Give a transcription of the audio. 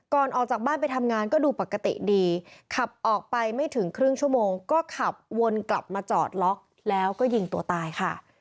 ออกจากบ้านไปทำงานก็ดูปกติดีขับออกไปไม่ถึงครึ่งชั่วโมงก็ขับวนกลับมาจอดล็อกแล้วก็ยิงตัวตายค่ะ